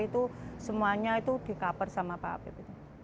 itu semuanya itu di cover sama pak app